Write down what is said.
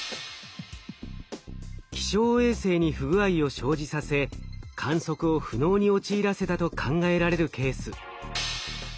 気象衛星に不具合を生じさせ観測を不能に陥らせたと考えられるケース。